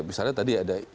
misalnya tadi ada